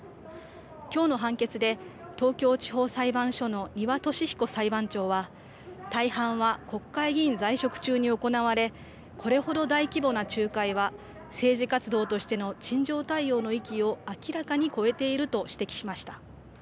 きょうの判決で東京地方裁判所の丹羽敏彦裁判長は大半は国会議員在職中に行われこれほど大規模な仲介は政治活動としての陳情対応の域を明らかに超えていると指摘しました。